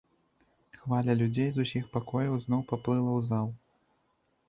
Хваля людзей з усіх пакояў зноў паплыла ў зал.